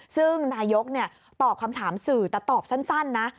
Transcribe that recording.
ซึ่งนายกตอบคำถามสื่อแต่ตอบสั้นนะ